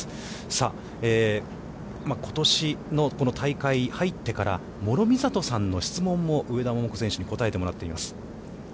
さあ、ことしのこの大会に入ってから諸見里さんの質問も、上田桃子選手に答えてもらっています。